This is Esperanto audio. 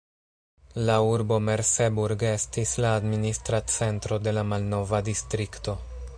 La urbo Merseburg estis la administra centro de la malnova distrikto.